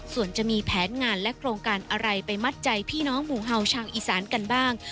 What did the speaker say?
ส่วนจะมีแผนงานและโครงการอะไรไปมัดใจพี่น้องหมู่เห่าชาวอีสานกันบ้าง